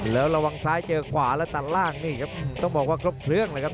แล้วระวังซ้ายเจอขวาแล้วตัดล่างนี่ครับต้องบอกว่าครบเครื่องเลยครับ